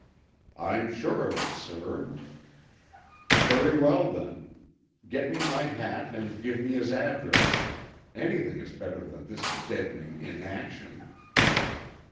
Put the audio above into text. "I'm sure of it, sir." "Very well, then. Get me my hat and give me his address. Anything is better than this deadening inaction."